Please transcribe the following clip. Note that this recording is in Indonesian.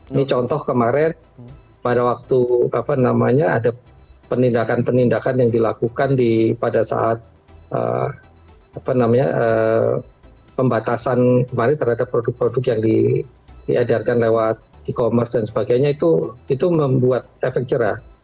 ini contoh kemarin pada waktu ada penindakan penindakan yang dilakukan pada saat pembatasan kemarin terhadap produk produk yang diadakan lewat e commerce dan sebagainya itu membuat efek cerah